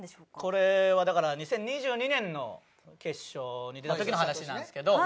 これはだから２０２２年の決勝に出た時の話なんですけど。